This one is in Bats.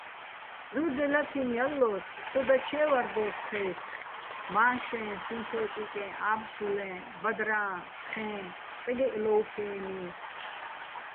ჺურდელათინო̆ ჲალლო́ს, სოდა ჩე́ვარდოს ქაჲრცხი̆: მა́შეჼ, სინთე́ტიკეჼ, ა́ბრშულეჼ, ბადრა́ჼ, თხე́ჼ, წყეგეჸ ლოუ̆ფენი...